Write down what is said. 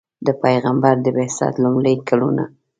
د پیغمبر د بعثت لومړي کلونه.